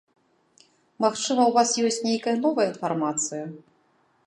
Магчыма, у вас ёсць нейкая новая інфармацыя?